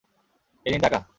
এই নিন টাকা।